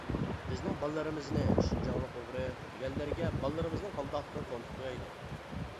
بىزنىڭ بالىلىرىمىزنى «شىنجاڭلىق ئوغرى» دېگەنلەرگە بالىلىرىمىزنىڭ قانداقلىقىنى تونۇتۇپ قويايلى.